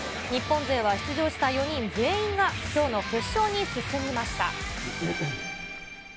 日本勢は出場した４人全員がきょうの決勝に進みました。